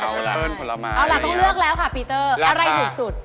เอาล่ะต้องเลือกแล้วค่ะพีเตอร์อะไรหลุดสุด